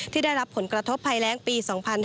ได้รับผลกระทบภัยแรงปี๒๕๕๙